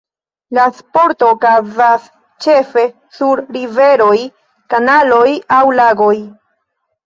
La sporto okazas ĉefe sur riveroj, kanaloj aŭ lagoj.